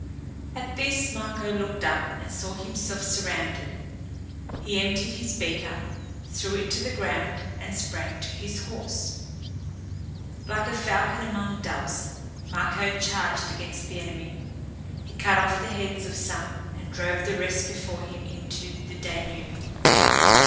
At this Marko looked up and saw himself surrounded. He emptied his beaker, threw it to the ground, and sprang to his horse. [Illustration: THEY GAGGED MARKO AND BOUND HIM TO HIS HORSE] Like a falcon among doves Marko charged against the enemy. He cut off the heads of some and drove the rest before him into the Danube.